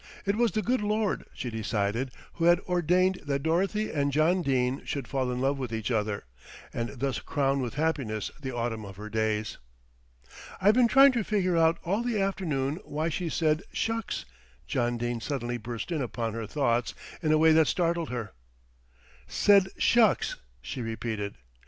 It was the Good Lord, she decided, who had ordained that Dorothy and John Dene should fall in love with each other, and thus crown with happiness the autumn of her days. "I've been trying to figure out all the afternoon why she said 'shucks,'" John Dene suddenly burst in upon her thoughts in a way that startled her. "Said 'shucks!'" she repeated.